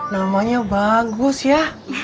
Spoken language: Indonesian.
namanya bagus ya